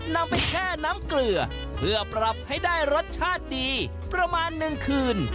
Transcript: นำไปแช่น้ำเกลือเพื่อปรับให้ได้รสชาติดีประมาณ๑คืน